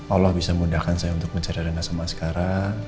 allah bisa memudahkan saya untuk mencari rena sama askara